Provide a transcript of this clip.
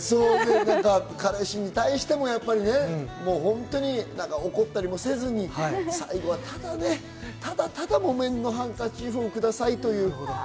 彼氏に対しても怒ったりもせずに、最後はただ、木綿のハンカチーフくださいという。